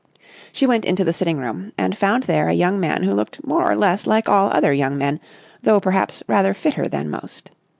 She went into the sitting room, and found there a young man who looked more or less like all other young men, though perhaps rather fitter than most.